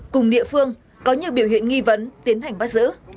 cùng địa phương có nhiều biểu hiện nghi vấn tiến hành bắt giữ